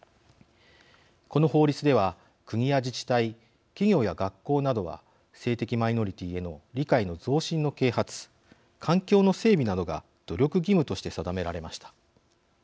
この法律では国や自治体企業や学校などは性的マイノリティーへの理解の増進の啓発環境の整備などが努力義務として定められました。